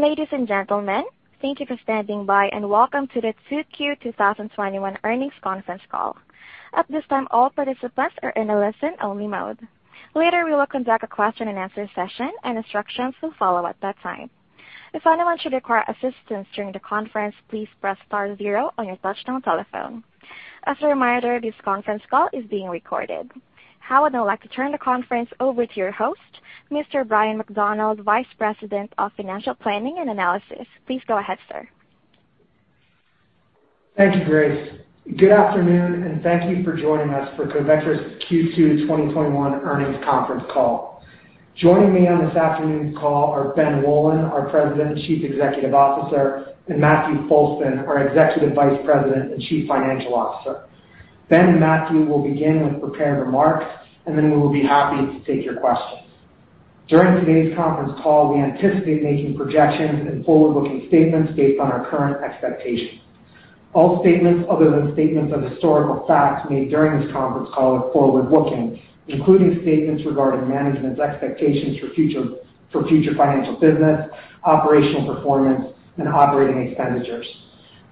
Ladies and gentlemen, thank you for standing by and welcome to the 2Q 2021 earnings conference call. At this time, all participants are in a listen-only mode. Later we will conduct a question and answer session, and instructions will follow at that time. If anyone should require assistance during the conference, please press star zero on your touchtone telephone. As a reminder, this conference call is being recorded. Now I would now like to turn the conference over to your host, Mr. Brian McDonald, Vice President of Financial Planning and Analysis. Please go ahead, sir. Thank you, Grace. Good afternoon, and thank you for joining us for Covetrus's Q2 2021 earnings conference call. Joining me on this afternoon's call are Ben Wolin, our President and Chief Executive Officer, and Matthew Foulston, our Executive Vice President and Chief Financial Officer. Ben and Matthew will begin with prepared remarks, and then we will be happy to take your questions. During today's conference call, we anticipate making projections and forward-looking statements based on our current expectations. All statements other than statements of historical facts made during this conference call are forward-looking, including statements regarding management's expectations for future financial business, operational performance, and operating expenditures.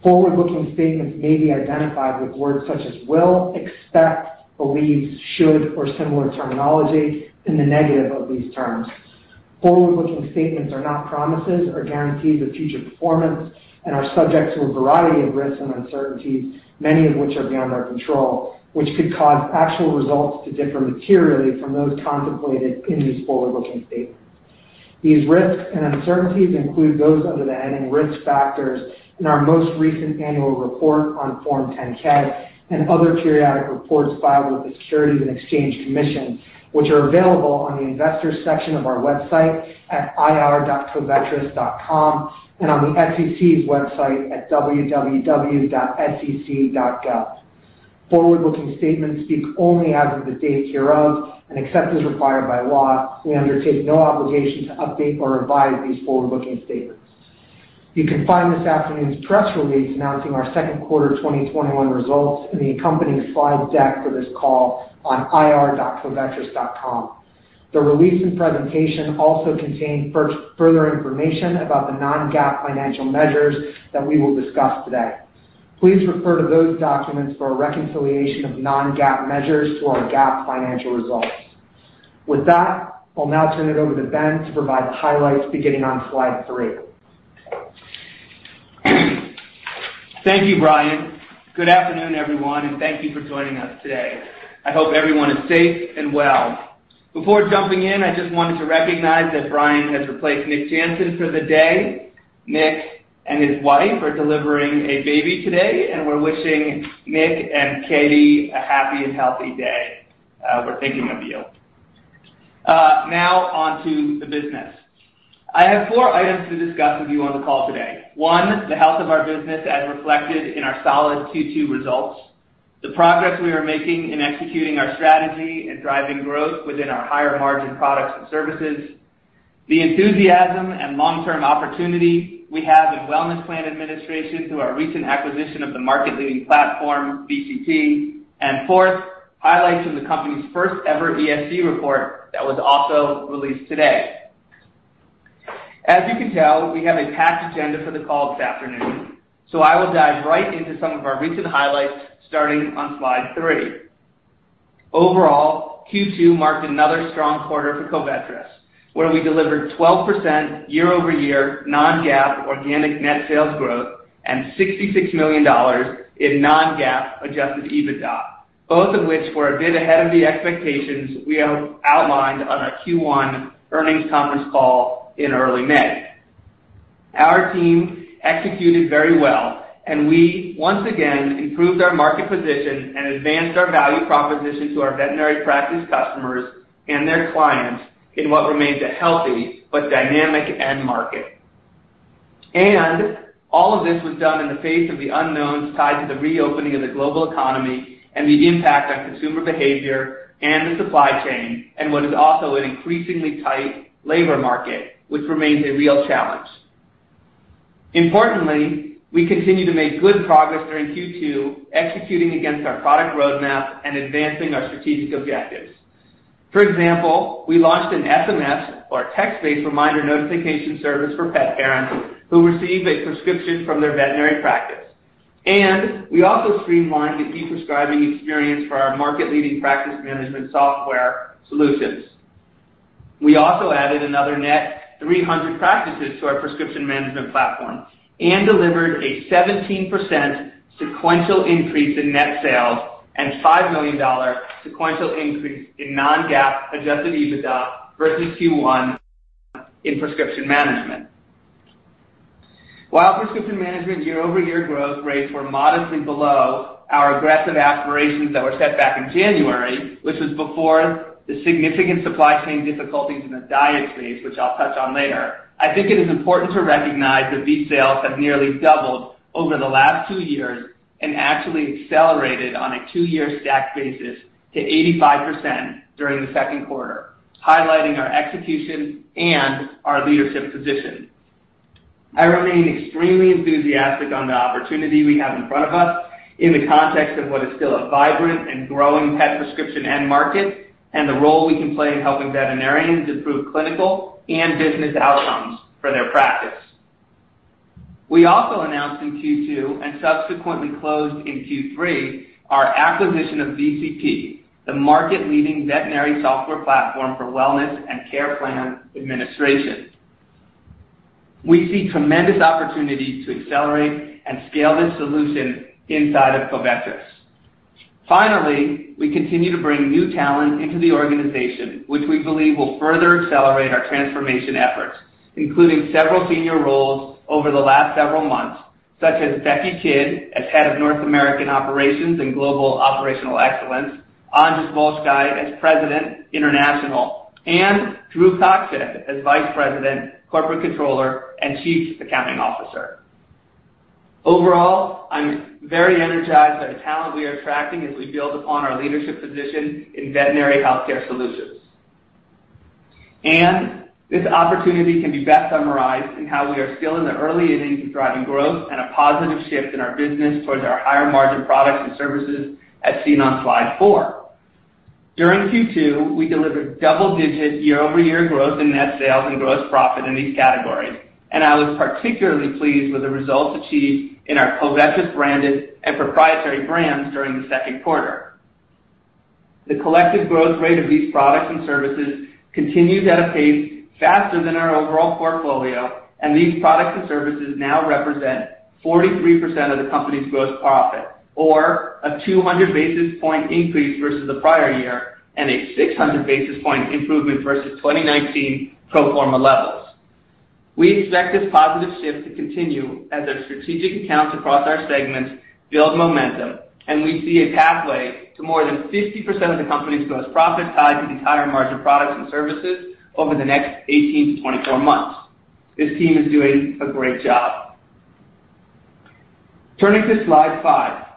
Forward-looking statements may be identified with words such as will, expect, believe, should, or similar terminology and the negative of these terms. Forward-looking statements are not promises or guarantees of future performance and are subject to a variety of risks and uncertainties, many of which are beyond our control, which could cause actual results to differ materially from those contemplated in these forward-looking statements. These risks and uncertainties include those under the heading Risk Factors in our most recent annual report on Form 10-K and other periodic reports filed with the Securities and Exchange Commission, which are available on the Investors section of our website at ir.covetrus.com and on the SEC's website at www.sec.gov. Forward-looking statements speak only as of the date hereof, and except as required by law, we undertake no obligation to update or revise these forward-looking statements. You can find this afternoon's press release announcing our second quarter 2021 results and the accompanying slide deck for this call on ir.covetrus.com. The release and presentation also contain further information about the non-GAAP financial measures that we will discuss today. Please refer to those documents for a reconciliation of non-GAAP measures to our GAAP financial results. With that, I'll now turn it over to Ben to provide the highlights beginning on slide three. Thank you, Brian. Good afternoon, everyone, and thank you for joining us today. I hope everyone is safe and well. Before jumping in, I just wanted to recognize that Brian has replaced Nick Jansen for the day. Nick and his wife are delivering a baby today, and we're wishing Nick and Katie a happy and healthy day. We're thinking of you. Now on to the business. I have four items to discuss with you on the call today. One, the health of our business as reflected in our solid Q2 results, the progress we are making in executing our strategy and driving growth within our higher-margin products and services, the enthusiasm and long-term opportunity we have in wellness plan administration through our recent acquisition of the market-leading platform, VCP, and fourth, highlights of the company's first ever ESG report that was also released today. As you can tell, we have a packed agenda for the call this afternoon, I will dive right into some of our recent highlights starting on slide three. Overall, Q2 marked another strong quarter for Covetrus, where we delivered 12% year-over-year non-GAAP organic net sales growth and $66 million in non-GAAP adjusted EBITDA, both of which were a bit ahead of the expectations we outlined on our Q1 earnings conference call in early May. Our team executed very well, and we once again improved our market position and advanced our value proposition to our veterinary practice customers and their clients in what remains a healthy but dynamic end market. All of this was done in the face of the unknowns tied to the reopening of the global economy and the impact on consumer behavior and the supply chain and what is also an increasingly tight labor market, which remains a real challenge. Importantly, we continue to make good progress during Q2, executing against our product roadmap and advancing our strategic objectives. For example, we launched an SMS or a text-based reminder notification service for pet parents who receive a prescription from their veterinary practice. We also streamlined the e-prescribing experience for our market-leading practice management software solutions. We also added another net 300 practices to our prescription management platform and delivered a 17% sequential increase in net sales and $5 million sequential increase in non-GAAP adjusted EBITDA versus Q1 in prescription management. While prescription management year-over-year growth rates were modestly below our aggressive aspirations that were set back in January, which was before the significant supply chain difficulties in the diet space, which I will touch on later, I think it is important to recognize that these sales have nearly doubled over the last two years and actually accelerated on a two-year stack basis to 85% during the second quarter, highlighting our execution and our leadership position. I remain extremely enthusiastic on the opportunity we have in front of us in the context of what is still a vibrant and growing pet prescription market, and the role we can play in helping veterinarians improve clinical and business outcomes for their practice. We also announced in Q2, and subsequently closed in Q3, our acquisition of VCP, the market-leading veterinary software platform for wellness and care plan administration. We see tremendous opportunity to accelerate and scale this solution inside of Covetrus. Finally, we continue to bring new talent into the organization, which we believe will further accelerate our transformation efforts, including several senior roles over the last several months, such as Bekki Kidd as Head of North American Operations and Global Operational Excellence, András Bolcskei as President International, and Drew Coxhead as Vice President, Corporate Controller, and Chief Accounting Officer. Overall, I'm very energized by the talent we are attracting as we build upon our leadership position in veterinary healthcare solutions. This opportunity can be best summarized in how we are still in the early innings of driving growth and a positive shift in our business towards our higher margin products and services as seen on slide four. During Q2, we delivered double-digit year-over-year growth in net sales and gross profit in these categories. I was particularly pleased with the results achieved in our Covetrus-branded and proprietary brands during the second quarter. The collective growth rate of these products and services continues at a pace faster than our overall portfolio, and these products and services now represent 43% of the company's gross profit, or a 200 basis point increase versus the prior year and a 600 basis point improvement versus 2019 pro forma levels. We expect this positive shift to continue as our strategic accounts across our segments build momentum, and we see a pathway to more than 50% of the company's gross profit tied to these higher margin products and services over the next 18-24 months. This team is doing a great job. Turning to slide five.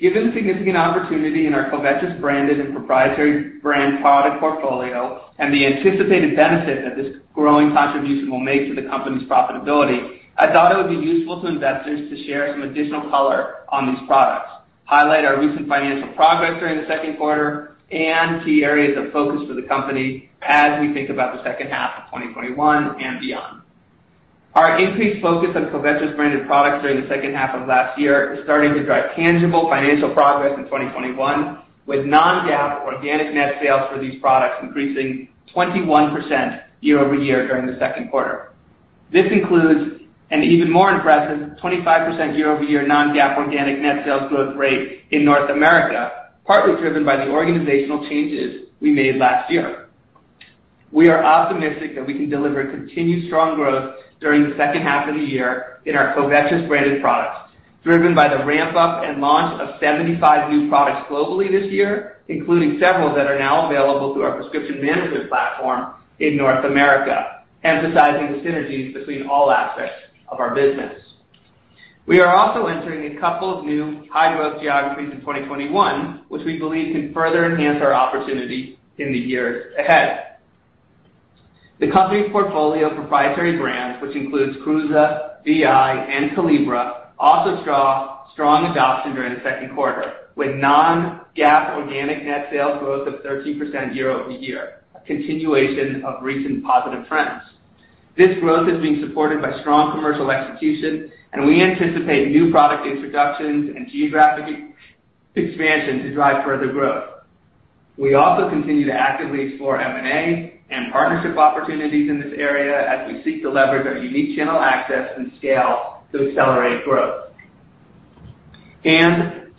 Given the significant opportunity in our Covetrus-branded and proprietary brand product portfolio and the anticipated benefit that this growing contribution will make to the company's profitability, I thought it would be useful to investors to share some additional color on these products, highlight our recent financial progress during the second quarter, and key areas of focus for the company as we think about the second half of 2021 and beyond. Our increased focus on Covetrus-branded products during the second half of last year is starting to drive tangible financial progress in 2021 with non-GAAP organic net sales for these products increasing 21% year-over-year during the second quarter. This includes an even more impressive 25% year-over-year non-GAAP organic net sales growth rate in North America, partly driven by the organizational changes we made last year. We are optimistic that we can deliver continued strong growth during the second half of the year in our Covetrus-branded products, driven by the ramp-up and launch of 75 new products globally this year, including several that are now available through our prescription management platform in North America, emphasizing the synergies between all aspects of our business. We are also entering a couple of new high-growth geographies in 2021, which we believe can further enhance our opportunity in the years ahead. The company's portfolio of proprietary brands, which includes KRUUSE, Vi and Calibra, also saw strong adoption during the second quarter, with non-GAAP organic net sales growth of 13% year-over-year, a continuation of recent positive trends. We anticipate new product introductions and geographic expansion to drive further growth. We also continue to actively explore M&A and partnership opportunities in this area as we seek to leverage our unique channel access and scale to accelerate growth.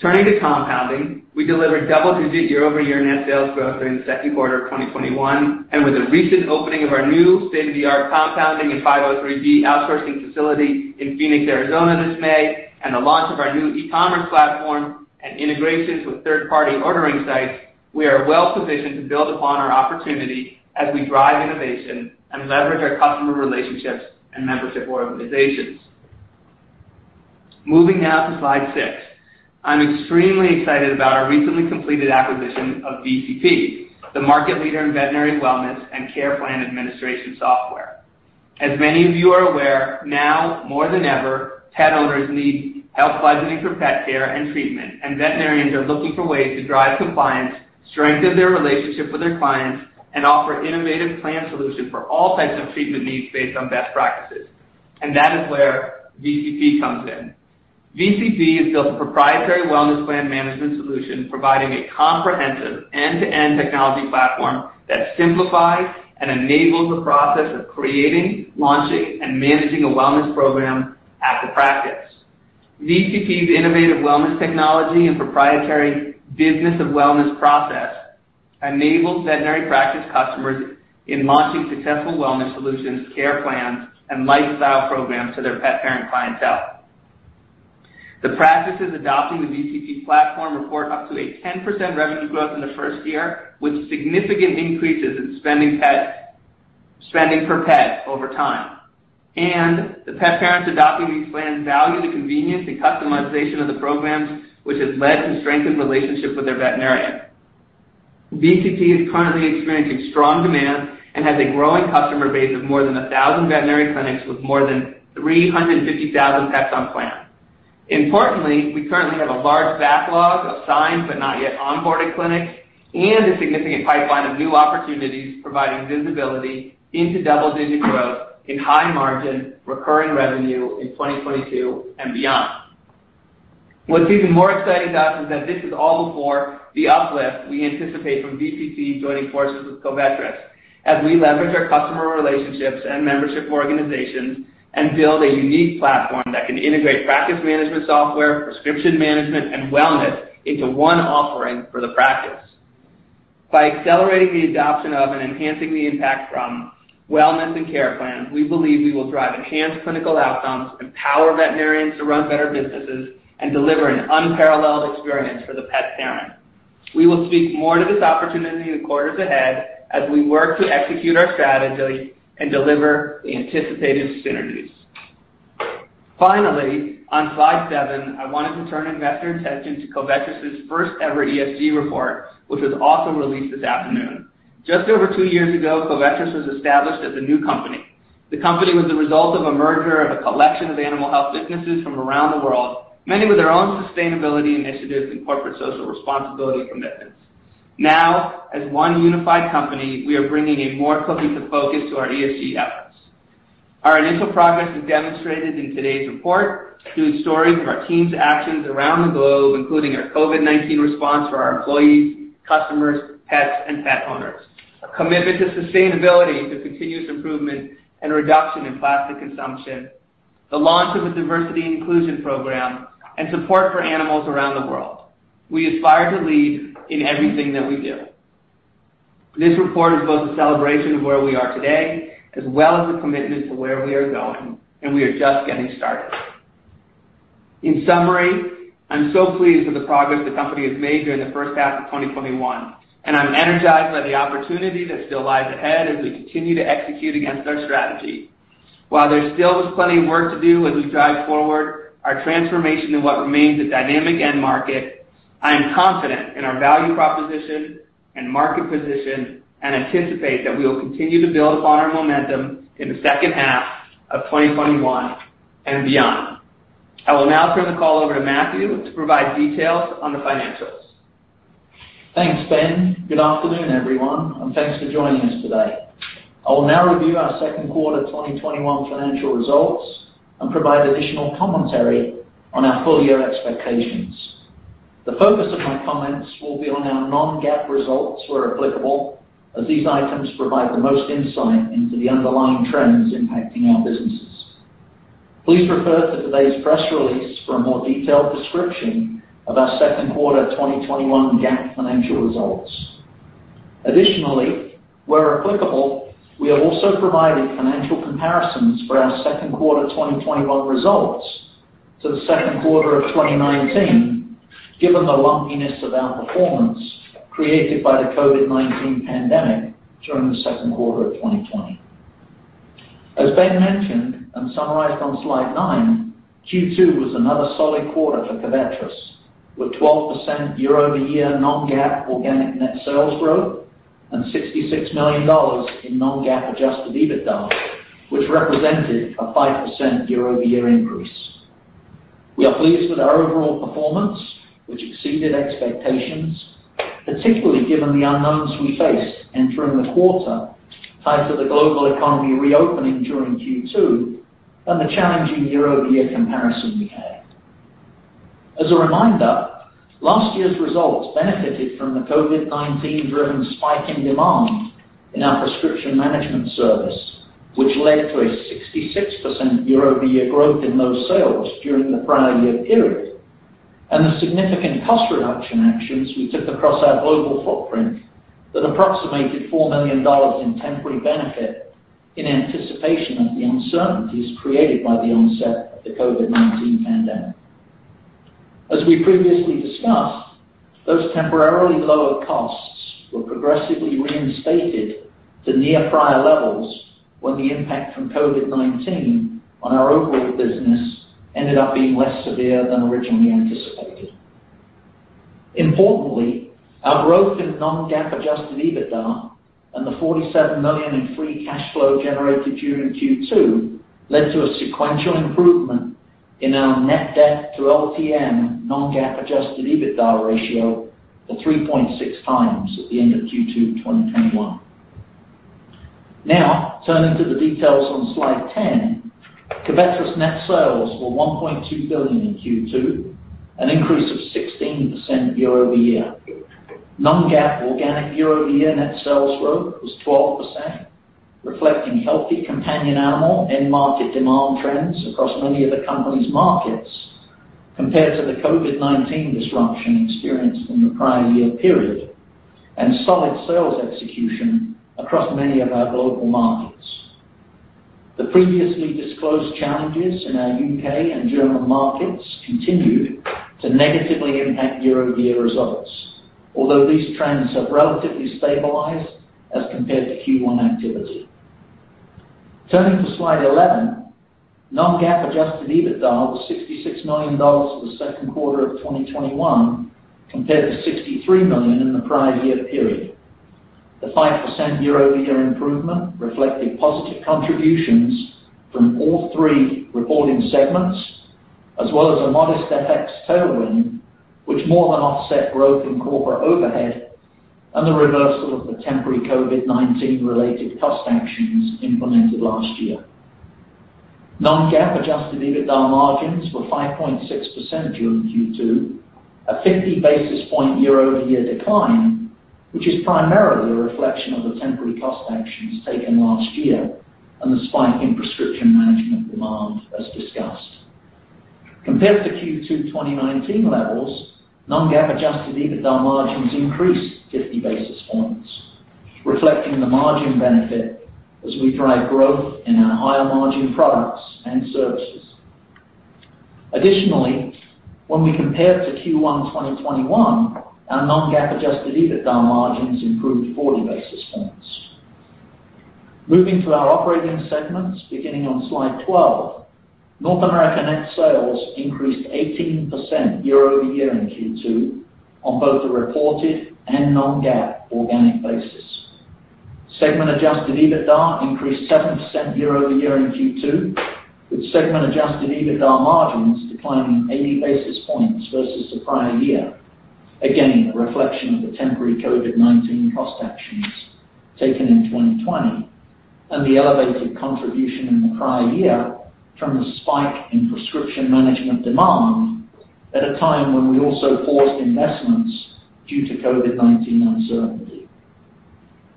Turning to compounding, we delivered double-digit year-over-year net sales growth during Q2 2021. With the recent opening of our new state-of-the-art compounding and 503B outsourcing facility in Phoenix, Arizona this May and the launch of our new e-commerce platform and integrations with third-party ordering sites, we are well-positioned to build upon our opportunity as we drive innovation and leverage our customer relationships and membership organizations. Moving now to slide six. I'm extremely excited about our recently completed acquisition of VCP, the market leader in veterinary wellness and care plan administration software. As many of you are aware, now more than ever, pet owners need help budgeting for pet care and treatment, and veterinarians are looking for ways to drive compliance, strengthen their relationship with their clients, and offer innovative plan solutions for all types of treatment needs based on best practices. That is where VCP comes in. VCP has built a proprietary wellness plan management solution providing a comprehensive end-to-end technology platform that simplifies and enables the process of creating, launching, and managing a wellness program at the practice. VCP's innovative wellness technology and proprietary business of wellness process enables veterinary practice customers in launching successful wellness solutions, care plans, and lifestyle programs to their pet parent clientele. The practices adopting the VCP platform report up to a 10% revenue growth in the first year, with significant increases in spending per pet over time. The pet parents adopting these plans value the convenience and customization of the programs, which has led to strengthened relationships with their veterinarian. VCP is currently experiencing strong demand and has a growing customer base of more than 1,000 veterinary clinics with more than 350,000 pets on plan. Importantly, we currently have a large backlog of signed, but not yet onboarded clinics and a significant pipeline of new opportunities providing visibility into double-digit growth in high margin recurring revenue in 2022 and beyond. What's even more exciting to us is that this is all before the uplift we anticipate from VCP joining forces with Covetrus, as we leverage our customer relationships and membership organizations and build a unique platform that can integrate practice management software, prescription management, and wellness into one offering for the practice. By accelerating the adoption of and enhancing the impact from wellness and care plans, we believe we will drive enhanced clinical outcomes, empower veterinarians to run better businesses, and deliver an unparalleled experience for the pet parent. We will speak more to this opportunity in the quarters ahead as we work to execute our strategy and deliver the anticipated synergies. Finally, on slide seven, I wanted to turn investors' attention to Covetrus's first ever ESG report, which was also released this afternoon. Just over two years ago, Covetrus was established as a new company. The company was the result of a merger of a collection of animal health businesses from around the world, many with their own sustainability initiatives and corporate social responsibility commitments. Now, as one unified company, we are bringing a more cohesive focus to our ESG efforts. Our initial progress is demonstrated in today's report through stories of our team's actions around the globe, including our COVID-19 response for our employees, customers, pets, and pet owners. A commitment to sustainability to continuous improvement and reduction in plastic consumption, the launch of a diversity and inclusion program, and support for animals around the world. We aspire to lead in everything that we do. This report is both a celebration of where we are today, as well as a commitment to where we are going, and we are just getting started. In summary, I'm so pleased with the progress the company has made during the first half of 2021, and I'm energized by the opportunity that still lies ahead as we continue to execute against our strategy. While there's still plenty of work to do as we drive forward our transformation in what remains a dynamic end market, I am confident in our value proposition and market position and anticipate that we will continue to build upon our momentum in the second half of 2021 and beyond. I will now turn the call over to Matthew to provide details on the financials. Thanks, Ben. Good afternoon, everyone. Thanks for joining us today. I will now review our second quarter 2021 financial results and provide additional commentary on our full-year expectations. The focus of my comments will be on our non-GAAP results where applicable, as these items provide the most insight into the underlying trends impacting our businesses. Please refer to today's press release for a more detailed description of our second quarter 2021 GAAP financial results. Additionally, where applicable, we have also provided financial comparisons for our second quarter 2021 results to the second quarter of 2019, given the lumpiness of our performance created by the COVID-19 pandemic during the second quarter of 2020. As Ben mentioned and summarized on slide nine, Q2 was another solid quarter for Covetrus, with 12% year-over-year non-GAAP organic net sales growth and $66 million in non-GAAP adjusted EBITDA, which represented a 5% year-over-year increase. We are pleased with our overall performance, which exceeded expectations, particularly given the unknowns we faced entering the quarter tied to the global economy reopening during Q2 and the challenging year-over-year comparison we had. As a reminder, last year's results benefited from the COVID-19-driven spike in demand in our prescription management service, which led to a 66% year-over-year growth in those sales during the prior year period, and the significant cost reduction actions we took across our global footprint that approximated $4 million in temporary benefit in anticipation of the uncertainties created by the onset of the COVID-19 pandemic. As we previously discussed, those temporarily lower costs were progressively reinstated to near prior levels when the impact from COVID-19 on our overall business ended up being less severe than originally anticipated. Importantly, our growth in non-GAAP adjusted EBITDA and the $47 million in free cash flow generated during Q2 led to a sequential improvement in our net debt to LTM non-GAAP adjusted EBITDA ratio of 3.6x at the end of Q2 2021. Now, turning to the details on slide 10. Covetrus net sales were $1.2 billion in Q2, an increase of 16% year-over-year. Non-GAAP organic year-over-year net sales growth was 12%, reflecting healthy companion animal end market demand trends across many of the company's markets compared to the COVID-19 disruption experienced in the prior year period, and solid sales execution across many of our global markets. The previously disclosed challenges in our U.K. and German markets continued to negatively impact year-over-year results, although these trends have relatively stabilized as compared to Q1 activity. Turning to slide 11, non-GAAP adjusted EBITDA was $66 million for the second quarter of 2021 compared to $63 million in the prior year period. The 5% year-over-year improvement reflected positive contributions from all three reporting segments, as well as a modest FX tailwind, which more than offset growth in corporate overhead and the reversal of the temporary COVID-19 related cost actions implemented last year. Non-GAAP adjusted EBITDA margins were 5.6% during Q2, a 50 basis point year-over-year decline, which is primarily a reflection of the temporary cost actions taken last year and the spike in prescription management demand, as discussed. Compared to Q2 2019 levels, non-GAAP adjusted EBITDA margins increased 50 basis points, reflecting the margin benefit as we drive growth in our higher margin products and services. Additionally, when we compare to Q1 2021, our non-GAAP adjusted EBITDA margins improved 40 basis points. Moving to our operating segments, beginning on slide 12. North America net sales increased 18% year-over-year in Q2 on both a reported and non-GAAP organic basis. Segment adjusted EBITDA increased 7% year-over-year in Q2, with segment adjusted EBITDA margins declining 80 basis points versus the prior year. Again, a reflection of the temporary COVID-19 cost actions taken in 2020 and the elevated contribution in the prior year from the spike in prescription management demand at a time when we also paused investments due to COVID-19 uncertainty.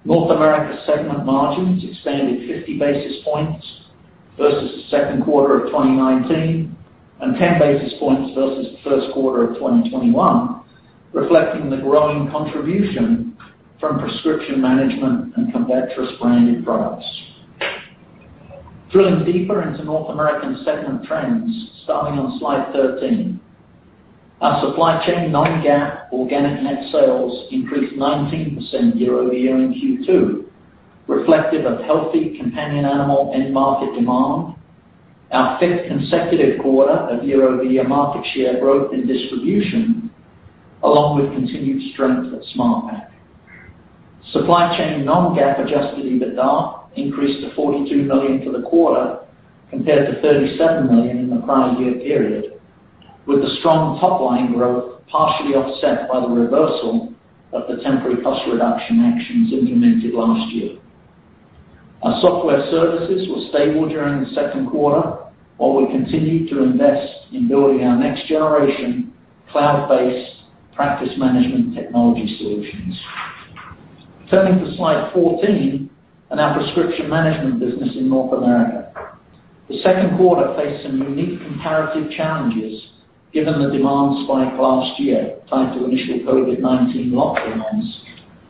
North America segment margins expanded 50 basis points versus the second quarter of 2019, and 10 basis points versus the first quarter of 2021, reflecting the growing contribution from prescription management and Covetrus branded products. Drilling deeper into North American segment trends, starting on slide 13. Our supply chain non-GAAP organic net sales increased 19% year-over-year in Q2, reflective of healthy companion animal end market demand, our fifth consecutive quarter of year-over-year market share growth in distribution, along with continued strength at SmartPak. Supply chain non-GAAP adjusted EBITDA increased to $42 million for the quarter compared to $37 million in the prior year period, with the strong top line growth partially offset by the reversal of the temporary cost reduction actions implemented last year. Our software services were stable during the second quarter, while we continued to invest in building our next generation cloud-based practice management technology solutions. Turning to slide 14 and our prescription management business in North America. The second quarter faced some unique comparative challenges given the demand spike last year tied to initial COVID-19 lockdowns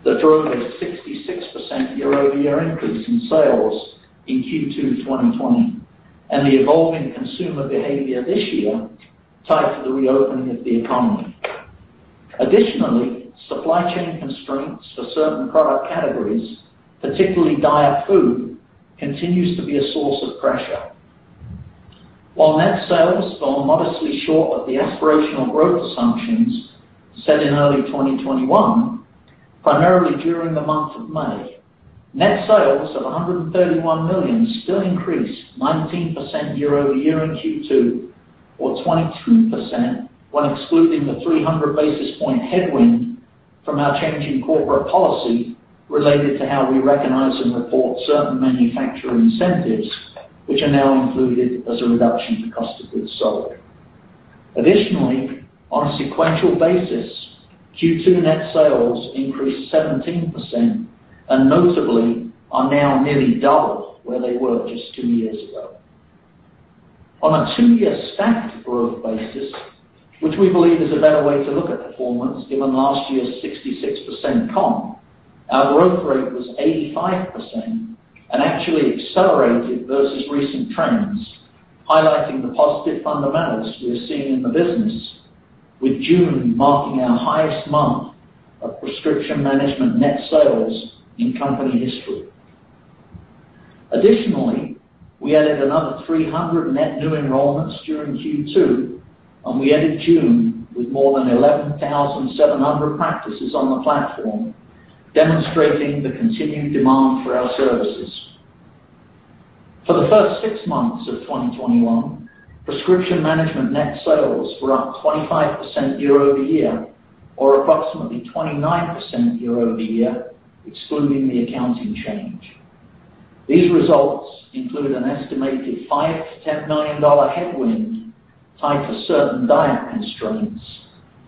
that drove a 66% year-over-year increase in sales in Q2 2020, and the evolving consumer behavior this year tied to the reopening of the economy. Additionally, supply chain constraints for certain product categories, particularly diet food, continues to be a source of pressure. While net sales fell modestly short of the aspirational growth assumptions set in early 2021, primarily during the month of May, net sales of $131 million still increased 19% year-over-year in Q2 or 22% when excluding the 300 basis point headwind from our change in corporate policy related to how we recognize and report certain manufacturer incentives, which are now included as a reduction to cost of goods sold. Additionally, on a sequential basis, Q2 net sales increased 17% and notably are now nearly double where they were just two years ago. On a two-year stacked growth basis, which we believe is a better way to look at performance given last year's 66% comp, our growth rate was 85% and actually accelerated versus recent trends, highlighting the positive fundamentals we are seeing in the business with June marking our highest month of prescription management net sales in company history. Additionally, we added another 300 net new enrollments during Q2, and we ended June with more than 11,700 practices on the platform, demonstrating the continued demand for our services. For the first 6 months of 2021, prescription management net sales were up 25% year-over-year or approximately 29% year-over-year excluding the accounting change. These results include an estimated $5 million-$10 million headwind tied to certain diet constraints,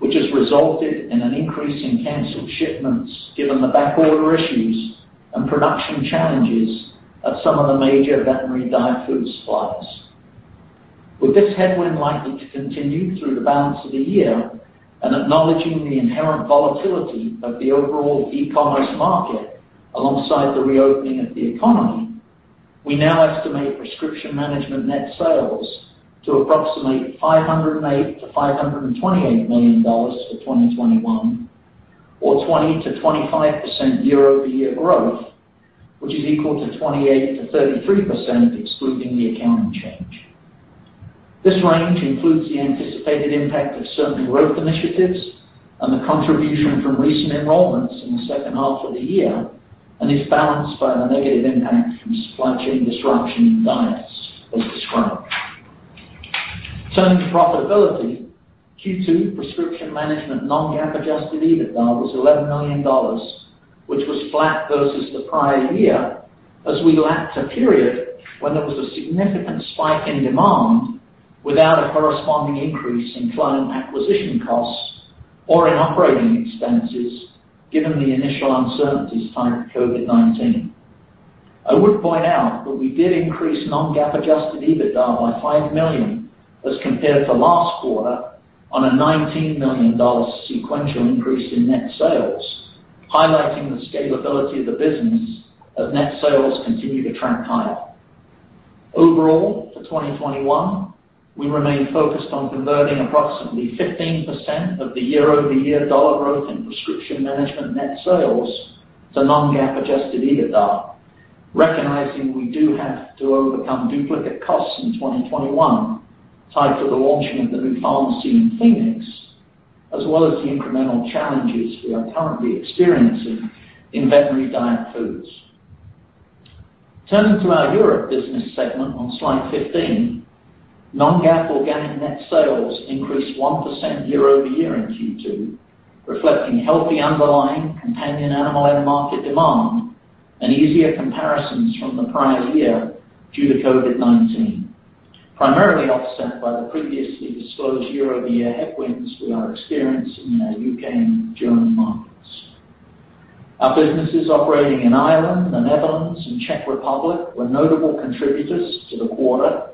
which has resulted in an increase in canceled shipments given the backorder issues and production challenges at some of the major veterinary diet food suppliers. With this headwind likely to continue through the balance of the year and acknowledging the inherent volatility of the overall e-commerce market alongside the reopening of the economy, we now estimate prescription management net sales to approximately $508 million-$528 million for 2021. 20%-25% year-over-year growth, which is equal to 28%-33% excluding the accounting change. This range includes the anticipated impact of certain growth initiatives and the contribution from recent enrollments in the second half of the year, and is balanced by the negative impact from supply chain disruption in diets, as described. Turning to profitability, Q2 prescription management non-GAAP adjusted EBITDA was $11 million, which was flat versus the prior year as we lacked a period when there was a significant spike in demand without a corresponding increase in client acquisition costs or in operating expenses, given the initial uncertainties tied to COVID-19. I would point out that we did increase non-GAAP adjusted EBITDA by $5 million as compared to last quarter on a $19 million sequential increase in net sales, highlighting the scalability of the business as net sales continue to trend higher. Overall, for 2021, we remain focused on converting approximately 15% of the year-over-year dollar growth in prescription management net sales to non-GAAP adjusted EBITDA, recognizing we do have to overcome duplicate costs in 2021 tied to the launching of the new pharmacy in Phoenix, as well as the incremental challenges we are currently experiencing in veterinary diet foods. Turning to our Europe business segment on slide 15, non-GAAP organic net sales increased 1% year-over-year in Q2, reflecting healthy underlying companion animal end market demand and easier comparisons from the prior year due to COVID-19, primarily offset by the previously disclosed year-over-year headwinds we are experiencing in our U.K. and German markets. Our businesses operating in Ireland, the Netherlands, and Czech Republic were notable contributors to the quarter.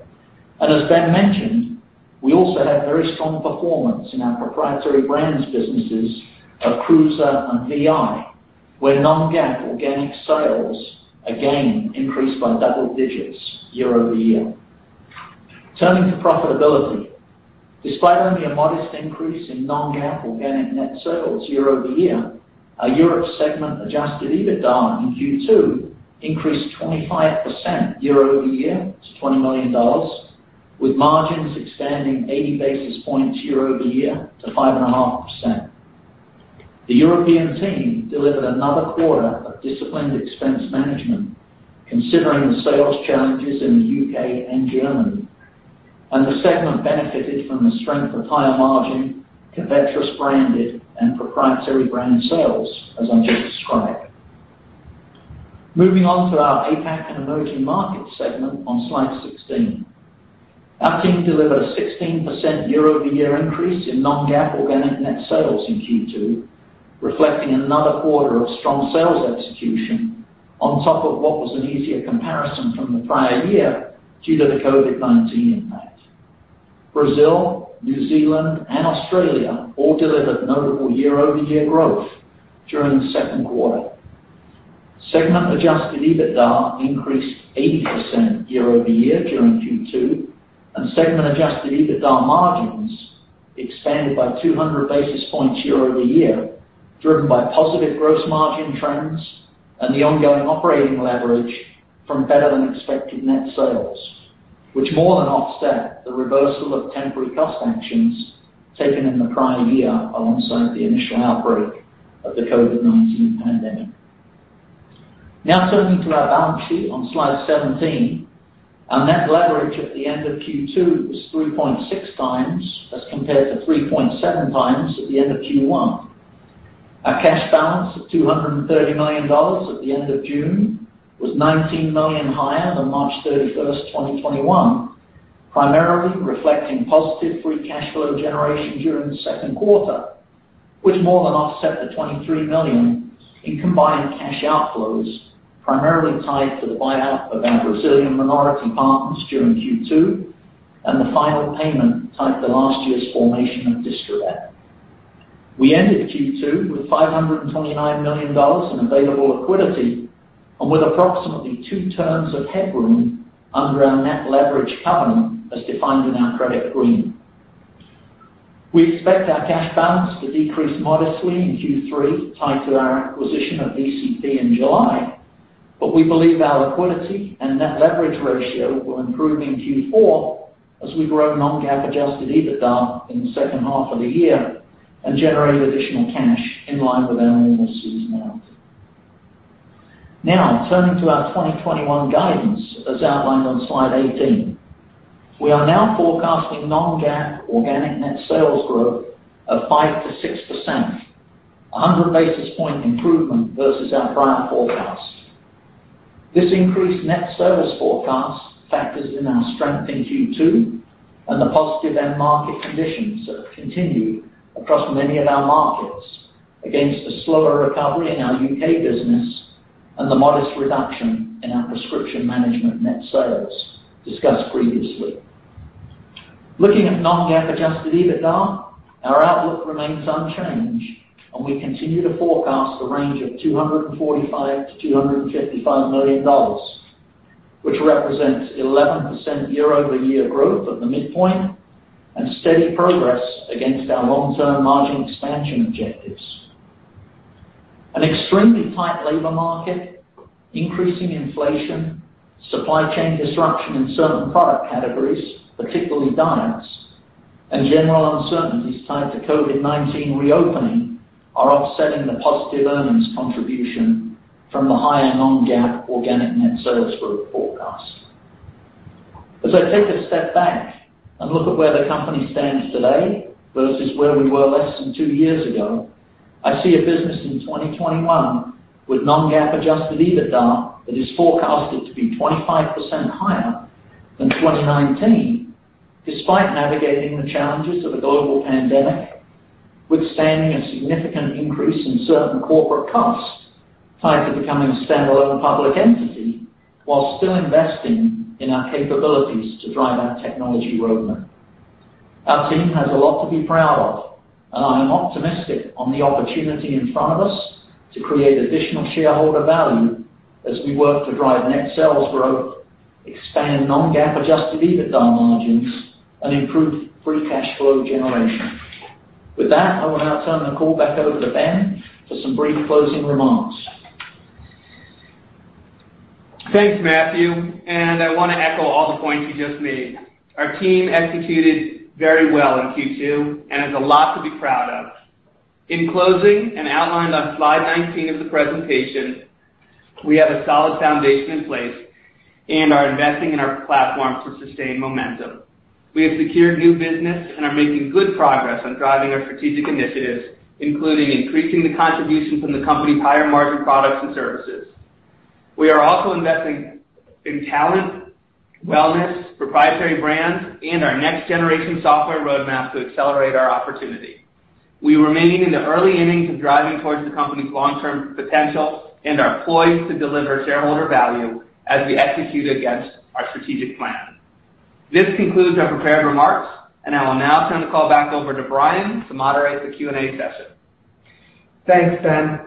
As Ben mentioned, we also had very strong performance in our proprietary brands businesses of KRUUSE and Vi, where non-GAAP organic sales again increased by double digits year-over-year. Turning to profitability, despite only a modest increase in non-GAAP organic net sales year-over-year, our Europe segment adjusted EBITDA in Q2 increased 25% year-over-year to $20 million, with margins expanding 80 basis points year-over-year to 5.5%. The European team delivered another quarter of disciplined expense management, considering the sales challenges in the U.K. and Germany, and the segment benefited from the strength of higher margin Covetrus branded and proprietary brand sales, as I just described. Moving on to our APAC and emerging markets segment on slide 16. Our team delivered a 16% year-over-year increase in non-GAAP organic net sales in Q2, reflecting another quarter of strong sales execution on top of what was an easier comparison from the prior year due to the COVID-19 impact. Brazil, New Zealand, and Australia all delivered notable year-over-year growth during the second quarter. Segment adjusted EBITDA increased 80% year-over-year during Q2, and segment adjusted EBITDA margins expanded by 200 basis points year-over-year, driven by positive gross margin trends and the ongoing operating leverage from better-than-expected net sales, which more than offset the reversal of temporary cost actions taken in the prior year alongside the initial outbreak of the COVID-19 pandemic. Now turning to our balance sheet on slide 17. Our net leverage at the end of Q2 was 3.6 times as compared to 3.7 times at the end of Q1. Our cash balance of $230 million at the end of June was $19 million higher than March 31st, 2021, primarily reflecting positive free cash flow generation during the second quarter, which more than offset the $23 million in combined cash outflows primarily tied to the buyout of our Brazilian minority partners during Q2 and the final payment tied to last year's formation of Distrivet. We ended Q2 with $529 million in available liquidity and with approximately two turns of headroom under our net leverage covenant as defined in our credit agreement. We expect our cash balance to decrease modestly in Q3 tied to our acquisition of VCP in July, but we believe our liquidity and net leverage ratio will improve in Q4 as we grow non-GAAP adjusted EBITDA in the second half of the year and generate additional cash in line with our normal seasonality. Now, turning to our 2021 guidance as outlined on slide 18. We are now forecasting non-GAAP organic net sales growth of 5%-6%, a 100 basis point improvement versus our prior forecast. This increased net sales forecast factors in our strength in Q2 and the positive end market conditions that have continued across many of our markets against a slower recovery in our U.K. business and the modest reduction in our prescription management net sales discussed previously. Looking at non-GAAP adjusted EBITDA, our outlook remains unchanged, and we continue to forecast a range of $245 million-$255 million, which represents 11% year-over-year growth at the midpoint and steady progress against our long-term margin expansion objectives. An extremely tight labor market, increasing inflation, supply chain disruption in certain product categories, particularly diets, and general uncertainties tied to COVID-19 reopening are offsetting the positive earnings contribution from the higher non-GAAP organic net sales growth forecast. As I take a step back and look at where the company stands today versus where we were less than two years ago, I see a business in 2021 with non-GAAP adjusted EBITDA that is forecasted to be 25% higher than 2019, despite navigating the challenges of a global pandemic, withstanding a significant increase in certain corporate costs tied to becoming a standalone public entity while still investing in our capabilities to drive our technology roadmap. Our team has a lot to be proud of, and I am optimistic on the opportunity in front of us to create additional shareholder value as we work to drive net sales growth, expand non-GAAP adjusted EBITDA margins, and improve free cash flow generation. With that, I will now turn the call back over to Ben for some brief closing remarks. Thanks, Matthew, and I want to echo all the points you just made. Our team executed very well in Q2 and has a lot to be proud of. In closing, and outlined on slide 19 of the presentation, we have a solid foundation in place and are investing in our platforms for sustained momentum. We have secured new business and are making good progress on driving our strategic initiatives, including increasing the contribution from the company's higher-margin products and services. We are also investing in talent, wellness, proprietary brands, and our next-generation software roadmap to accelerate our opportunity. We remain in the early innings of driving towards the company's long-term potential and are poised to deliver shareholder value as we execute against our strategic plan. This concludes our prepared remarks, and I will now turn the call back over to Brian to moderate the Q&A session. Thanks, Ben.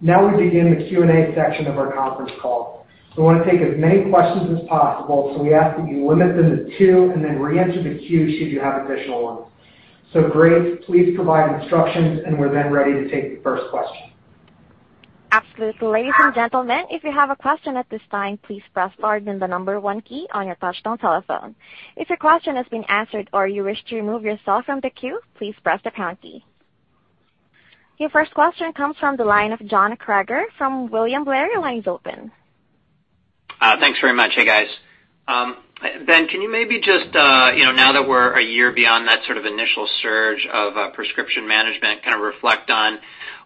We begin the Q&A section of our conference call. We want to take as many questions as possible, so we ask that you limit them to two and then reenter the queue should you have additional ones. Grace, please provide instructions, and we're then ready to take the first question. Absolutely. Ladies and gentlemen, if you have a question at this time, please press star then the number one key on your touch-tone telephone. If your question has been answered or you wish to remove yourself from the queue, please press the pass key. Your first question comes from the line of John Kreger from William Blair. Thanks very much. Hey, guys. Ben, can you maybe just, now that we're a year beyond that sort of initial surge of prescription management, kind of reflect on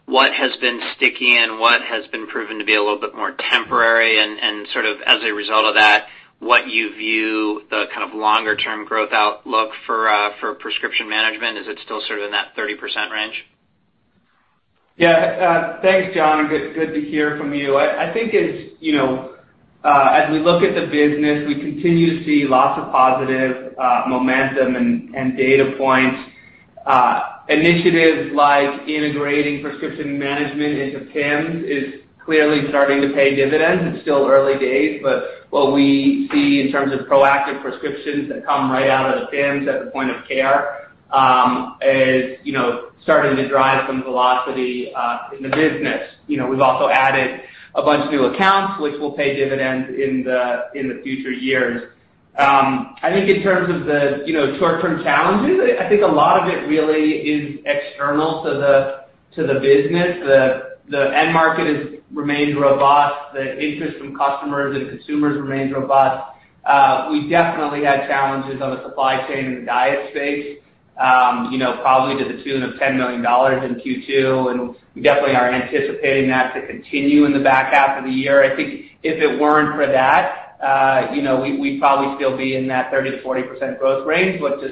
what has been sticky and what has been proven to be a little bit more temporary and, sort of as a result of that, what you view the kind of longer-term growth outlook for prescription management? Is it still sort of in that 30% range? Yeah. Thanks, John. Good to hear from you. I think as we look at the business, we continue to see lots of positive momentum and data points. Initiatives like integrating prescription management into PIMS is clearly starting to pay dividends. It's still early days, but what we see in terms of proactive prescriptions that come right out of the PIMS at the point of care is starting to drive some velocity in the business. We've also added a bunch of new accounts, which will pay dividends in the future years. I think in terms of the short-term challenges, I think a lot of it really is external to the business. The end market remains robust. The interest from customers and consumers remains robust. We've definitely had challenges on the supply chain in the diet space, probably to the tune of $10 million in Q2, and we definitely are anticipating that to continue in the back half of the year. Just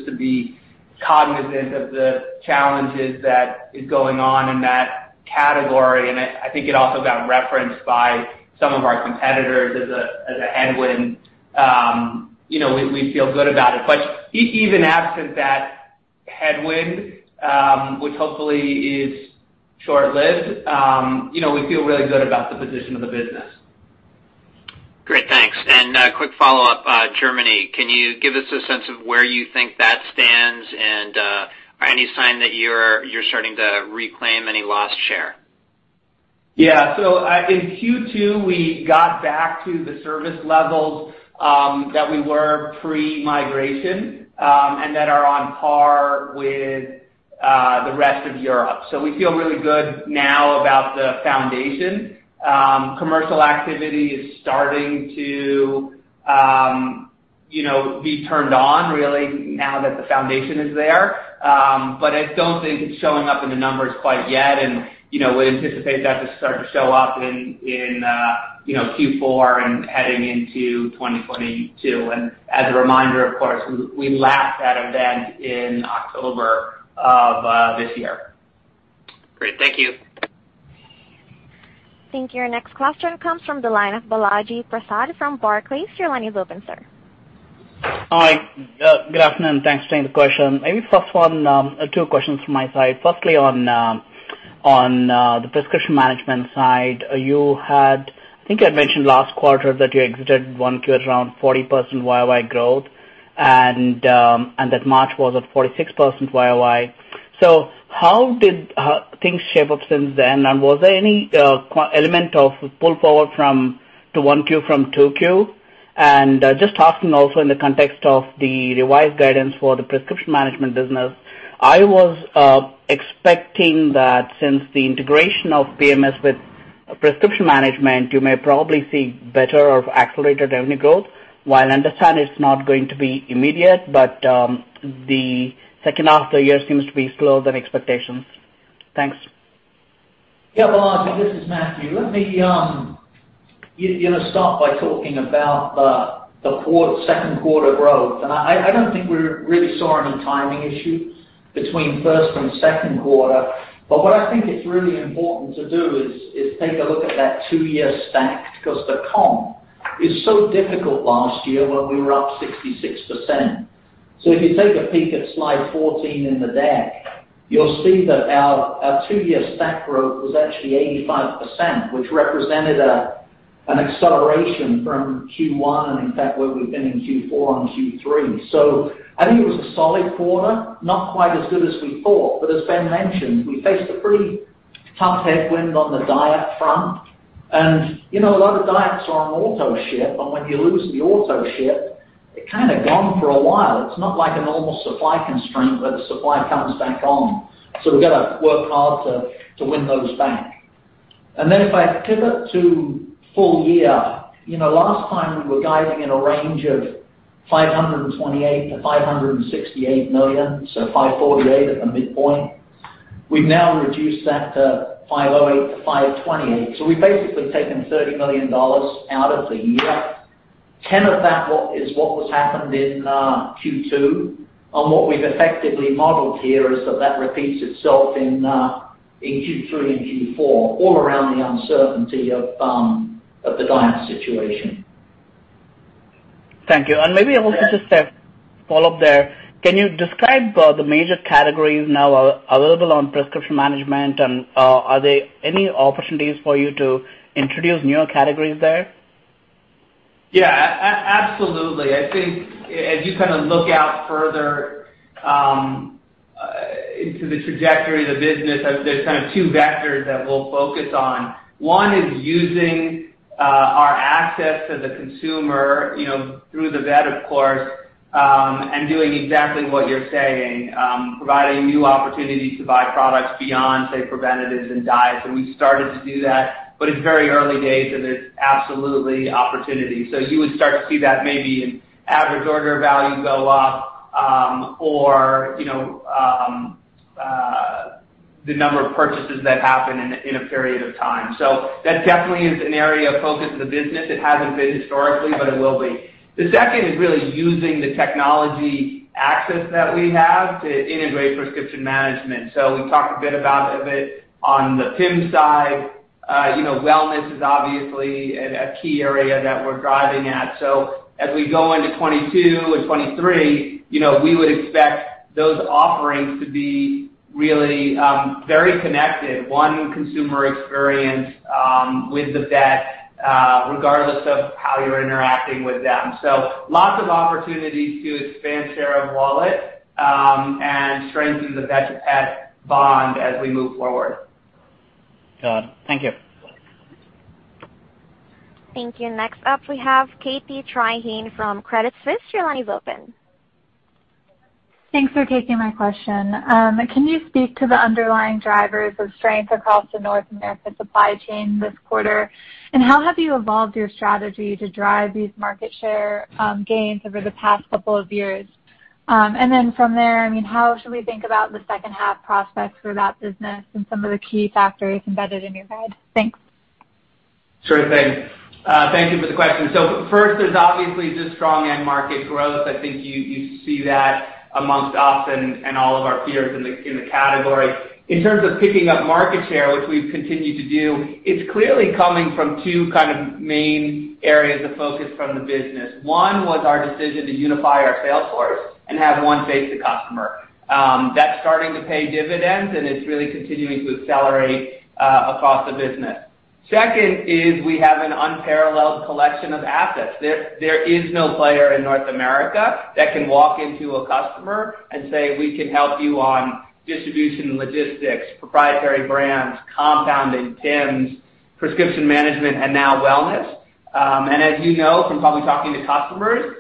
to be cognizant of the challenges that is going on in that category, and I think it also got referenced by some of our competitors as a headwind. We feel good about it. Even absent that headwind, which hopefully is short-lived, we feel really good about the position of the business. Great. Thanks. A quick follow-up. Germany, can you give us a sense of where you think that stands and any sign that you're starting to reclaim any lost share? Yeah. In Q2, we got back to the service levels that we were pre-migration, and that are on par with the rest of Europe. We feel really good now about the foundation. Commercial activity is starting to be turned on, really, now that the foundation is there. I don't think it's showing up in the numbers quite yet, and we anticipate that to start to show up in Q4 and heading into 2022. As a reminder, of course, we lacked that event in October of this year. Great. Thank you. Thank you. Our next question comes from the line of Balaji Prasad from Barclays. Your line is open, sir. Hi. Good afternoon, and thanks for taking the question. Maybe first one, two questions from my side. Firstly, on the prescription management side, I think you had mentioned last quarter that you exited 1Q at around 40% YOY growth, and that March was at 46% YOY. How did things shape up since then? Was there any element of pull forward to 1Q from 2Q? Just asking also in the context of the revised guidance for the prescription management business, I was expecting that since the integration of PIMS with prescription management, you may probably see better or accelerated revenue growth. While I understand it's not going to be immediate, but the second half of the year seems to be slower than expectations. Thanks. Balaji, this is Matthew. Let me start by talking about the second quarter growth. I don't think we really saw any timing issue between first and second quarter. What I think is really important to do is take a look at that two-year stack, because the comp is so difficult last year when we were up 66%. If you take a peek at slide 14 in the deck, you'll see that our two-year stack growth was actually 85%, which represented an acceleration from Q1, and in fact, where we've been in Q4 and Q3. I think it was a solid quarter, not quite as good as we thought. As Ben mentioned, we faced a pretty tough headwind on the diet front. A lot of diets are on auto-ship, and when you lose the auto-ship, they're gone for a while. We've got to work hard to win those back. If I pivot to full year, last time we were guiding in a range of $528 million-$568 million, so $548 million at the midpoint. We've now reduced that to $508 million-$528 million. We've basically taken $30 million out of the year. 10 of that is what was happened in Q2, and what we've effectively modeled here is that that repeats itself in Q3 and Q4, all around the uncertainty of the diet situation. Thank you. Maybe also just a follow-up there. Can you describe the major categories now available on prescription management, and are there any opportunities for you to introduce newer categories there? Yeah, absolutely. I think as you look out further into the trajectory of the business, there's two vectors that we'll focus on. One is using our access to the consumer through the vet, of course, and doing exactly what you're saying, providing new opportunities to buy products beyond, say, preventatives and diets. We started to do that, but it's very early days, and there's absolutely opportunity. You would start to see that maybe in average order value go up, or the number of purchases that happen in a period of time. That definitely is an area of focus of the business. It hasn't been historically, but it will be. The second is really using the technology access that we have to integrate prescription management. We talked a bit about it on the PIMS side. Wellness is obviously a key area that we're driving at. As we go into 2022 and 2023, we would expect those offerings to be really very connected. One consumer experience with the vet, regardless of how you're interacting with them. Lots of opportunities to expand share of wallet, and strengthen the vet to pet bond as we move forward. Got it. Thank you. Thank you. Next up, we have Katie Tryhane from Credit Suisse. Your line is open. Thanks for taking my question. Can you speak to the underlying drivers of strength across the North American supply chain this quarter? How have you evolved your strategy to drive these market share gains over the past couple of years? Then from there, how should we think about the second half prospects for that business and some of the key factors embedded in your guide? Thanks. Sure thing. Thank you for the question. First, there's obviously just strong end market growth. I think you see that amongst us and all of our peers in the category. In terms of picking up market share, which we've continued to do, it's clearly coming from two main areas of focus from the business. One was our decision to unify our sales force and have one face the customer. That's starting to pay dividends, and it's really continuing to accelerate across the business. Second is we have an unparalleled collection of assets. There is no player in North America that can walk into a customer and say, "We can help you on distribution, logistics, proprietary brands, compounding, PIMS, prescription management, and now wellness." As you know from probably talking to customers,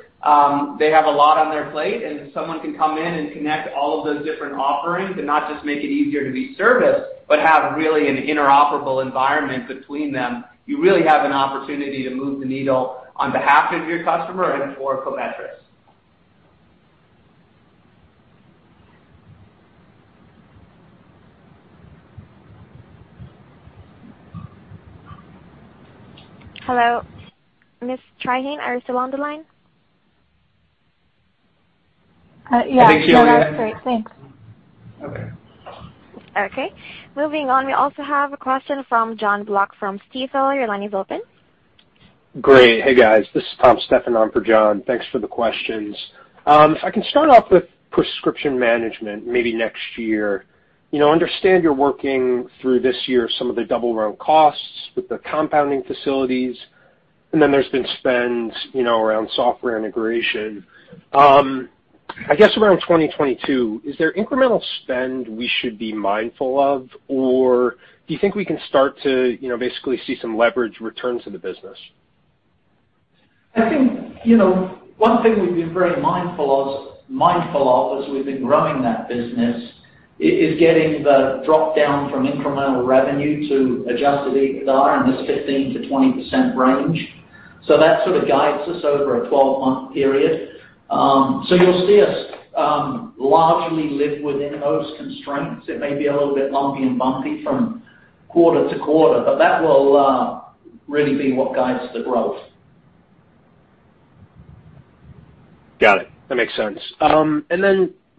they have a lot on their plate, and if someone can come in and connect all of those different offerings and not just make it easier to be serviced, but have really an interoperable environment between them, you really have an opportunity to move the needle on behalf of your customer and for Covetrus. Hello, Ms. Tryhane, are you still on the line? Yeah. Thank you. No, that's great. Thanks. Okay. Okay, moving on. We also have a question from Jonathan Block from Stifel. Your line is open. Great. Hey, guys. This is Tom Stephan on for John. Thanks for the questions. If I can start off with prescription management, maybe next year. I understand you're working through this year some of the double-running costs with the compounding facilities, and then there's been spends around software integration. I guess around 2022, is there incremental spend we should be mindful of, or do you think we can start to basically see some leverage returns in the business? I think, one thing we've been very mindful of as we've been growing that business is getting the drop-down from incremental revenue to adjusted EBITDA in this 15%-20% range. That sort of guides us over a 12-month period. You'll see us largely live within those constraints. It may be a little bit lumpy and bumpy from quarter to quarter, but that will really be what guides the growth. Got it. That makes sense.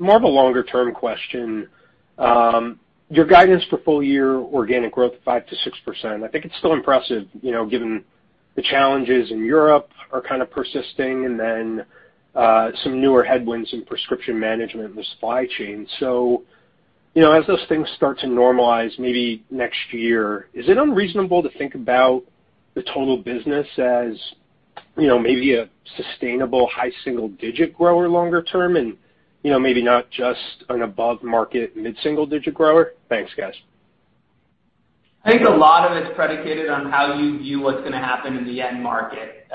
More of a longer-term question. Your guidance for full-year organic growth, 5%-6%. I think it's still impressive, given the challenges in Europe are kind of persisting and then some newer headwinds in prescription management and the supply chain. As those things start to normalize maybe next year, is it unreasonable to think about the total business as maybe a sustainable high single-digit grower longer term and maybe not just an above-market mid-single-digit grower? Thanks, guys. I think a lot of it's predicated on how you view what's going to happen in the end market.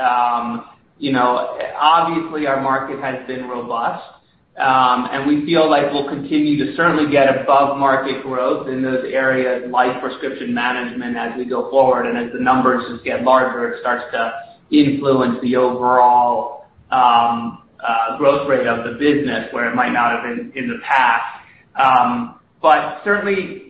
Obviously, our market has been robust. We feel like we'll continue to certainly get above-market growth in those areas like prescription management as we go forward. As the numbers just get larger, it starts to influence the overall growth rate of the business, where it might not have in the past. Certainly,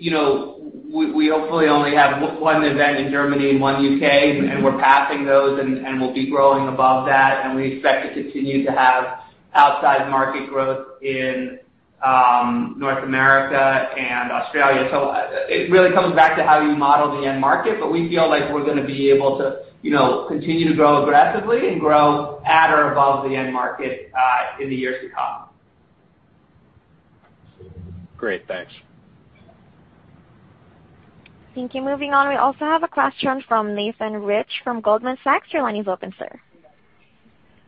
we hopefully only have one event in Germany and one U.K., and we're passing those, and we'll be growing above that, and we expect to continue to have outsized market growth in North America and Australia. It really comes back to how you model the end market, but we feel like we're going to be able to continue to grow aggressively and grow at or above the end market in the years to come. Great. Thanks. Thank you. Moving on, we also have a question from Nathan Rich from Goldman Sachs. Your line is open, sir.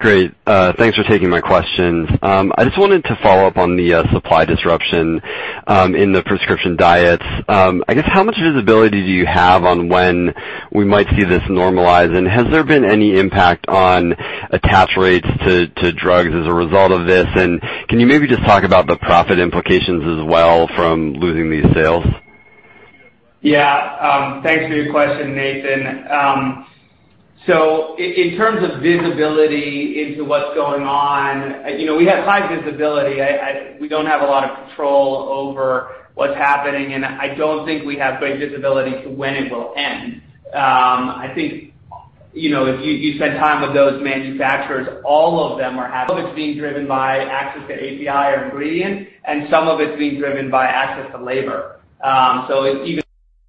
Great. Thanks for taking my questions. I just wanted to follow up on the supply disruption in the prescription diets. I guess, how much visibility do you have on when we might see this normalize? Has there been any impact on attach rates to drugs as a result of this? Can you maybe just talk about the profit implications as well from losing these sales? Yeah. Thanks for your question, Nathan. In terms of visibility into what's going on, we have high visibility. We don't have a lot of control over what's happening, and I don't think we have great visibility to when it will end. I think, if you spend time with those manufacturers, all of them are happy. Some of it's being driven by access to API or ingredients, and some of it's being driven by access to labor. Even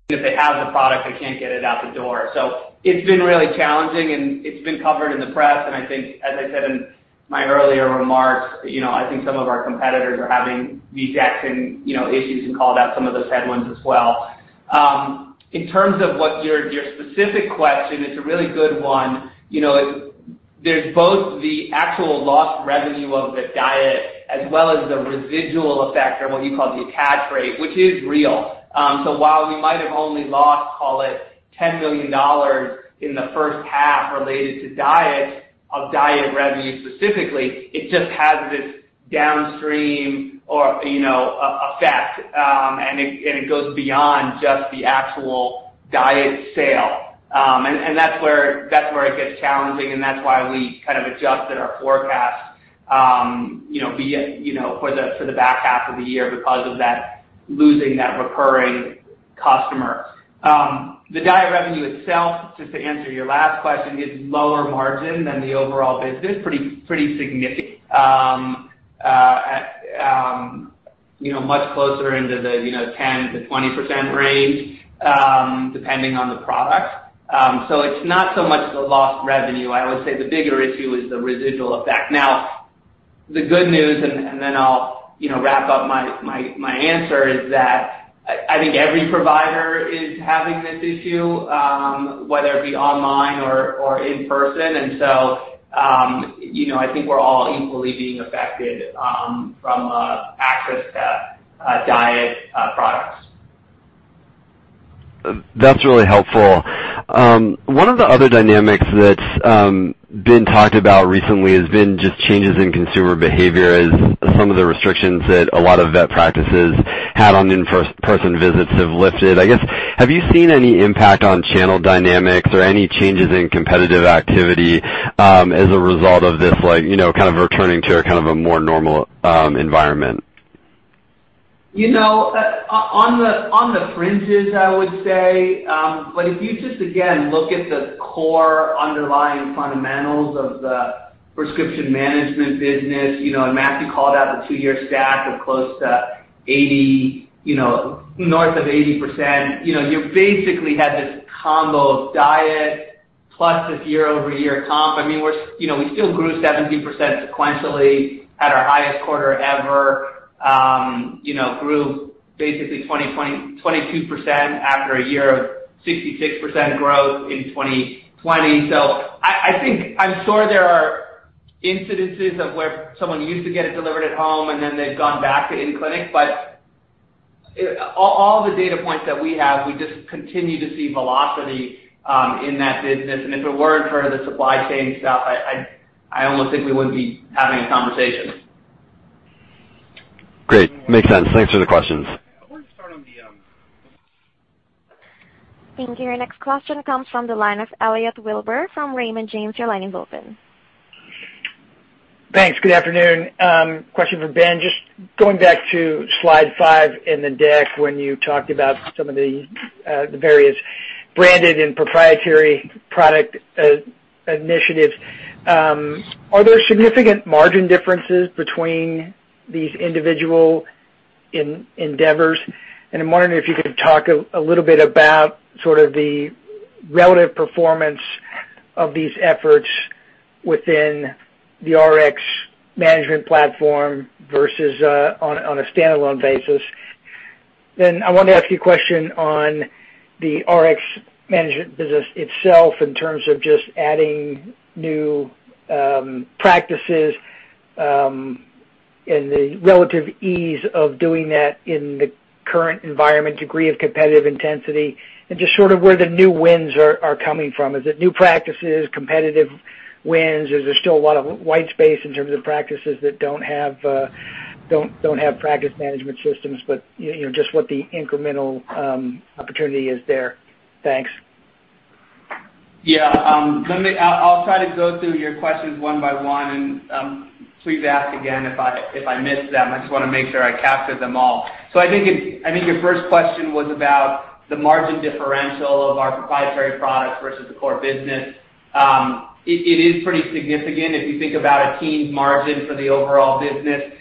if they have the product, they can't get it out the door. It's been really challenging, and it's been covered in the press, and I think, as I said in my earlier remarks, I think some of our competitors are having these exact same issues and called out some of those headwinds as well. In terms of your specific question, it's a really good one. There's both the actual lost revenue of the diet as well as the residual effect or what you call the attach rate, which is real. While we might have only lost, call it, $10 million in the first half related to diet of diet revenue specifically, it just has this downstream or effect. It goes beyond just the actual diet sale. That's where it gets challenging, and that's why we kind of adjusted our forecast, for the back half of the year because of losing that recurring customer. The diet revenue itself, just to answer your last question, is lower margin than the overall business, pretty significant. Much closer into the 10%-20% range, depending on the product. It's not so much the lost revenue. I would say the bigger issue is the residual effect. The good news, and then I'll wrap up my answer, is that I think every provider is having this issue, whether it be online or in person. I think we're all equally being affected from access to diet products. That's really helpful. One of the other dynamics that's been talked about recently has been just changes in consumer behavior as some of the restrictions that a lot of vet practices had on in-person visits have lifted. I guess, have you seen any impact on channel dynamics or any changes in competitive activity, as a result of this kind of returning to a kind of a more normal environment? On the fringes, I would say. If you just, again, look at the core underlying fundamentals of the prescription management business, and Matthew called out the two-year stack of close to north of 80%. You basically had this combo of diet plus this year-over-year comp. We still grew 17% sequentially at our highest quarter ever. Grew basically 22% after a year of 66% growth in 2020. I'm sure there are incidences of where someone used to get it delivered at home and then they've gone back to in-clinic. All the data points that we have, we just continue to see velocity in that business. If it weren't for the supply chain stuff, I almost think we wouldn't be having a conversation. Great. Makes sense. Thanks for the questions. Thank you. Our next question comes from the line of Elliot Wilbur from Raymond James. Your line is open. Thanks. Good afternoon. Question for Ben. Just going back to slide five in the deck when you talked about some of the various branded and proprietary product initiatives. Are there significant margin differences between these individual endeavors? I'm wondering if you could talk a little bit about the relative performance of these efforts within the Rx management platform versus on a standalone basis. I wanted to ask you a question on the Rx management business itself in terms of just adding new practices and the relative ease of doing that in the current environment, degree of competitive intensity, and just where the new wins are coming from. Is it new practices, competitive wins? Is there still a lot of white space in terms of practices that don't have practice management systems, but just what the incremental opportunity is there? Thanks. Yeah. I'll try to go through your questions one by one, and please ask again if I miss them. I just want to make sure I capture them all. I think your first question was about the margin differential of our proprietary products versus the core business. It is pretty significant if you think about a teens margin for the overall business.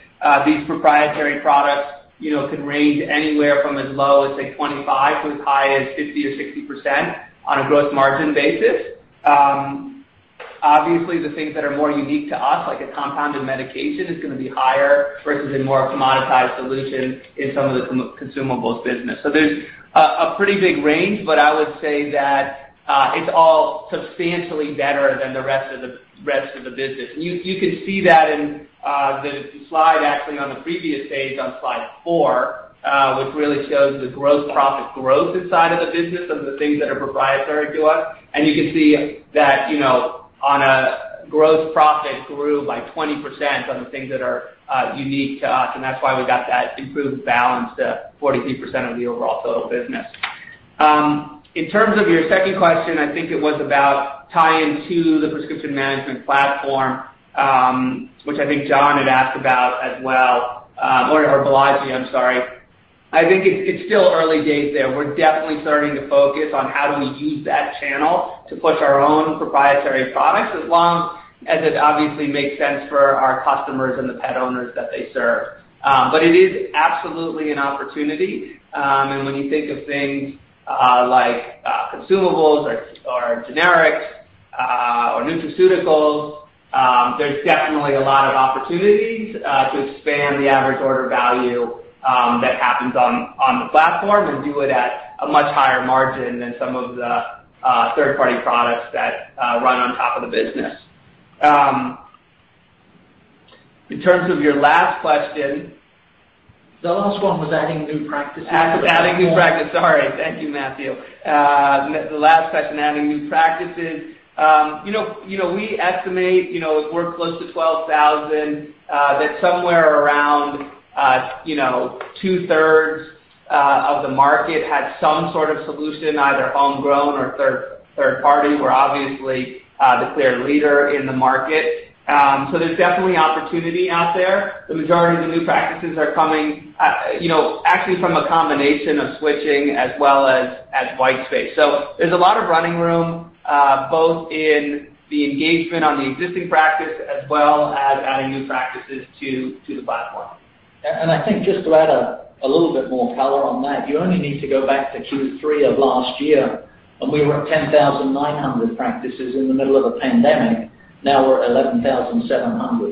These proprietary products can range anywhere from as low as, say, 25% to as high as 50% or 60% on a gross margin basis. Obviously, the things that are more unique to us, like a compounded medication, is going to be higher versus a more commoditized solution in some of the consumables business. There's a pretty big range, but I would say that it's all substantially better than the rest of the business. You can see that in the slide, actually, on the previous page, on slide four, which really shows the gross profit growth inside of the business of the things that are proprietary to us. You can see that on a gross profit grew by 20% on the things that are unique to us, and that's why we got that improved balance to 43% of the overall total business. In terms of your second question, I think it was about tie-in to the prescription management platform, which I think John had asked about as well, or Balaji, I'm sorry. I think it's still early days there. We're definitely starting to focus on how do we use that channel to push our own proprietary products, as long as it obviously makes sense for our customers and the pet owners that they serve. It is absolutely an opportunity. When you think of things like consumables or generics or nutraceuticals, there's definitely a lot of opportunities to expand the average order value that happens on the platform and do it at a much higher margin than some of the third-party products that run on top of the business. In terms of your last question. The last one was adding new practices. Adding new practice. Sorry. Thank you, Matthew. The last question, adding new practices. We estimate, as we're close to 12,000, that somewhere around two-thirds of the market had some sort of solution, either homegrown or third party. We're obviously the clear leader in the market. There's definitely opportunity out there. The majority of the new practices are coming actually from a combination of switching as well as white space. There's a lot of running room, both in the engagement on the existing practice as well as adding new practices to the platform. I think just to add a little bit more color on that, you only need to go back to Q3 of last year, and we were at 10,900 practices in the middle of a pandemic. Now we're at 11,700.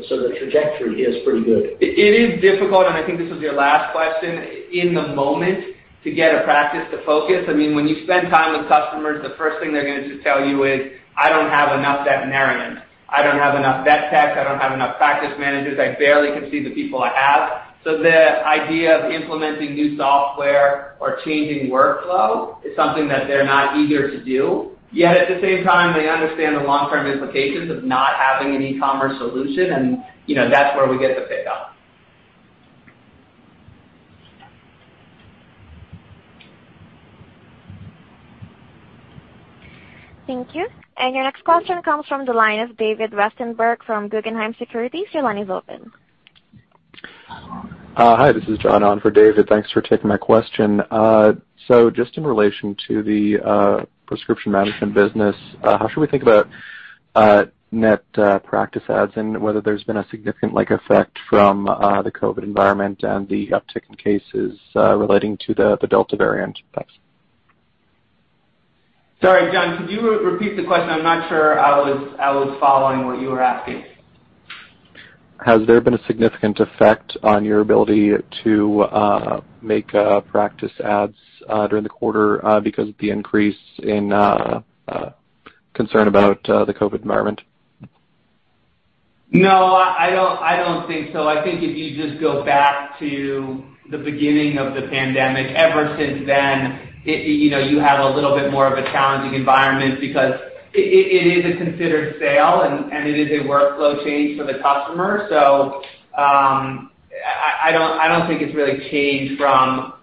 The trajectory is pretty good. It is difficult, and I think this was your last question, in the moment to get a practice to focus. When you spend time with customers, the first thing they're going to tell you is, "I don't have enough veterinarians. I don't have enough vet techs. I don't have enough practice managers. I barely can see the people I have." The idea of implementing new software or changing workflow is something that they're not eager to do. At the same time, they understand the long-term implications of not having an e-commerce solution, and that's where we get the pickup. Thank you. Your next question comes from the line of David Westenberg from Guggenheim Securities. Your line is open. Hi, this is John on for David. Thanks for taking my question. Just in relation to the prescription management business, how should we think about net practice adds and whether there's been a significant lag effect from the COVID environment and the uptick in cases relating to the Delta variant? Thanks. Sorry, John, could you repeat the question? I'm not sure I was following what you were asking. Has there been a significant effect on your ability to make practice adds during the quarter because of the increase in concern about the COVID environment? No, I don't think so. I think if you just go back to the beginning of the pandemic, ever since then, you have a little bit more of a challenging environment because it is a considered sale and it is a workflow change for the customer. I don't think it's really changed from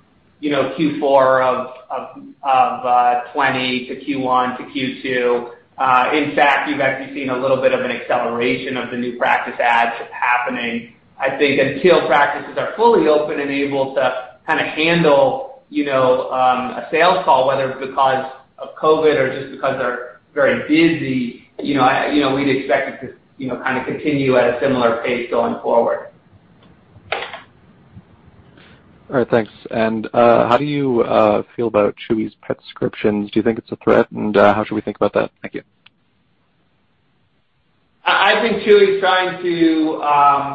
Q4 of 2020 to Q1 to Q2. In fact, you've actually seen a little bit of an acceleration of the new practice adds happening. I think until practices are fully open and able to kind of handle a sales call, whether it's because of COVID or just because they're very busy, we'd expect it to kind of continue at a similar pace going forward. All right, thanks. How do you feel about Chewy's prescriptions? Do you think it's a threat and how should we think about that? Thank you. I think Chewy's trying to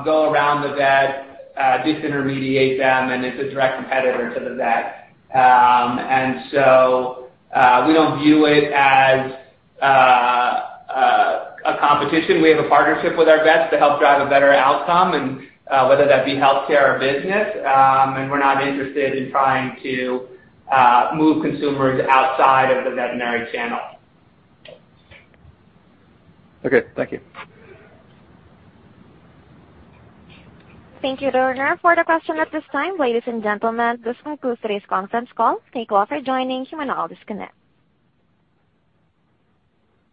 go around the vet, disintermediate them and is a direct competitor to the vet. We don't view it as a competition. We have a partnership with our vets to help drive a better outcome and whether that be healthcare or business, and we're not interested in trying to move consumers outside of the veterinary channel. Okay. Thank you. Thank you, sir, for the question at this time. Ladies and gentlemen, this concludes today's conference call. Thank you all for joining. You may now disconnect.